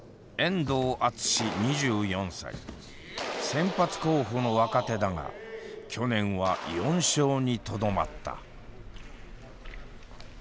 先発候補の若手だが去年は４勝にとどまった。